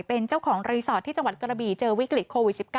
เป็นเจ้าของรีสอร์ทที่จังหวัดกระบี่เจอวิกฤตโควิด๑๙